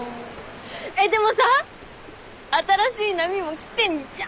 でもさ新しい波も来てんじゃん？